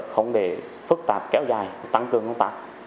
không để phức tạp kéo dài tăng cường công tác